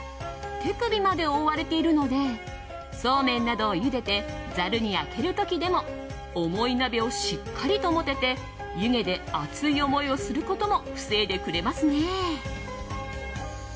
手首まで覆われているのでそうめんなどをゆでてざるにあける時でも重い鍋をしっかりと持てて湯気で熱い思いをすることも防いでくれますね。